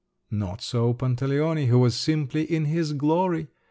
Not so Pantaleone—he was simply in his glory!